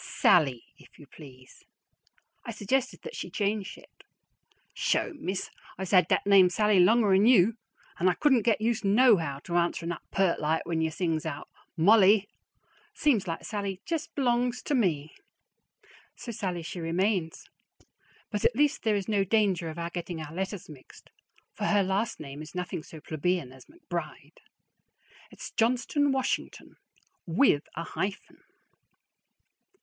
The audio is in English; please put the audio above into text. SALLIE, if you please. I suggested that she change it. "Sho, Miss, I's had dat name Sallie longer'n you, an' I couldn't get used nohow to answerin' up pert like when you sings out `Mollie!' Seems like Sallie jest b'longs to me." So "Sallie" she remains; but at least there is no danger of our getting our letters mixed, for her last name is nothing so plebeian as McBride. It's Johnston Washington, with a hyphen.